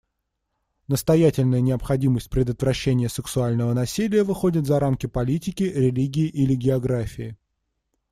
Настоятельная необходимость предотвращения сексуального насилия выходит за рамки политики, религии или географии.